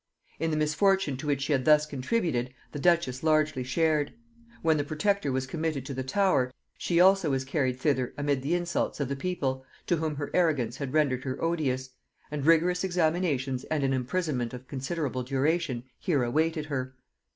In the misfortune to which she had thus contributed, the duchess largely shared. When the Protector was committed to the Tower, she also was carried thither amid the insults of the people, to whom her arrogance had rendered her odious; and rigorous examinations and an imprisonment of considerable duration here awaited her.